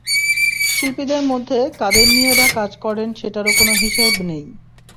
শিল্পীদের মধ্যে কাদের নিয়ে এঁরা কাজ করেন সেটারও কোনো হিসেব নেই।